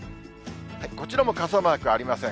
こちらも傘マークありません。